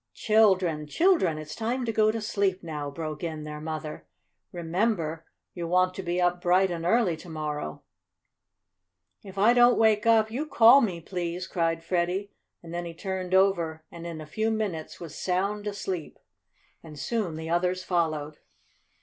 "Children, children! It's time to go to sleep now," broke in their mother. "Remember, you'll want to be up bright and early to morrow." "If I don't wake up, you call me, please," cried Freddie; and then he turned over and in a few minutes was sound asleep, and soon the others followed.